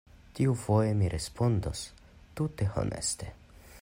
Tiufoje, mi respondos tute honeste!